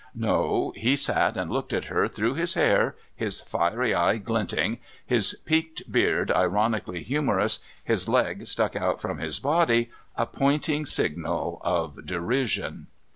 No, he sat and looked at her through his hair, his fiery eye glinting, his peaked beard ironically humorous, his leg stuck out from his body, a pointing signal of derision.